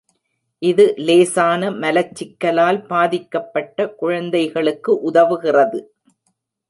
இது லேசான மலச்சிக்கலால் பாதிக்கப்பட்ட குழந்தைகளுக்கு உதவுகிறது.